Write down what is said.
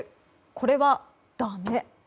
これは、だめ。